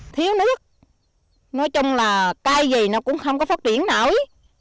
thiếu nước nói chung là cây gì nó cũng không có phát triển nữa